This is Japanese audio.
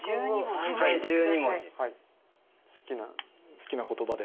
好きな言葉で。